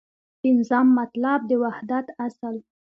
پنځم مطلب : د وحدت اصل